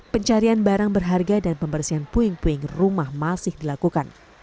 pencarian barang berharga dan pembersihan puing puing rumah masih dilakukan